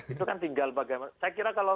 itu kan tinggal bagaimana saya kira kalau